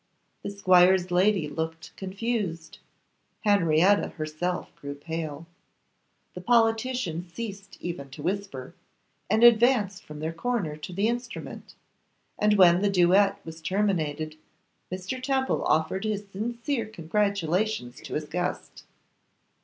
The squire's lady looked confused; Henrietta herself grew pale; the politicians ceased even to whisper, and advanced from their corner to the instrument; and when the duet was terminated, Mr. Temple offered his sincere congratulations to his guest.